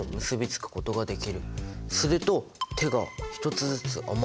すると手が１つずつ余る！